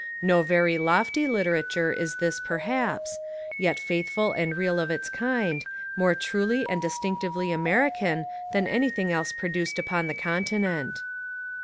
No very lofty literature is this perhaps, yet faithful and real of its kind, more truly and distinctively American than anything .else pro duced upon the continent.